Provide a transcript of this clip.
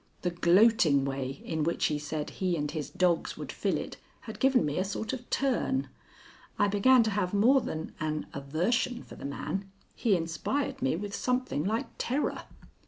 The gloating way in which he said he and his dogs would fill it had given me a sort of turn. I began to have more than an aversion for the man. He inspired me with something like terror.